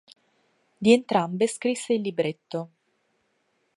Di entrambe scrisse il libretto.